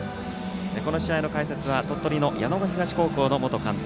この試合の解説は鳥取の米子東高校の元監督